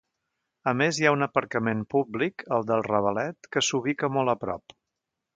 A més hi ha un aparcament públic, el del Ravalet que s'ubica molt a prop.